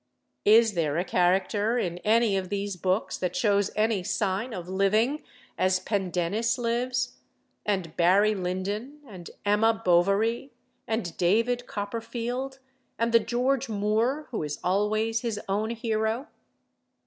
Is there a character in any of these books that shows any sign of living as Pendennis lives, and Barry Lyndon, and Emma Bovary, and David Copperfield, and the George Moore who is always his own hero?